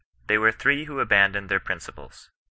They were three who abandoned their principles.